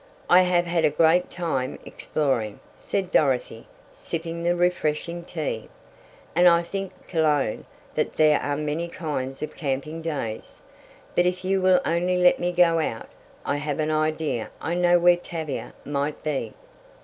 "I have had a great time exploring," said Dorothy, sipping the refreshing tea, "and I think, Cologne, that there are many kinds of camping days. But if you will only let me go out, I have an idea I know where Tavia might be."